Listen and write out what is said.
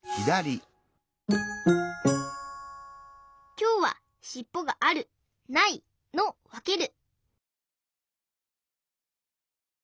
きょうは「しっぽがあるない」のわける！